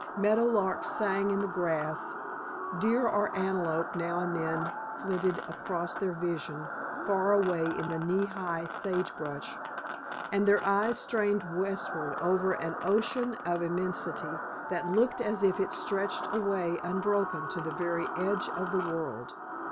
Meadow larks sang in the grass, deer or antelope now and then flitted across their vision far away in the knee high sage brush, and their eyes strained westward over an ocean of immensity that looked as if it stretched away unbroken to the very edge of the world.